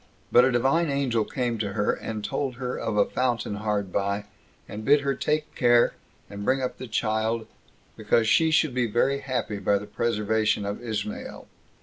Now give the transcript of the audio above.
But a Divine Angel came to her, and told her of a fountain hard by, and bid her take care, and bring up the child, because she should be very happy by the preservation of Ismael.